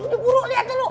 lo diburu lihat dulu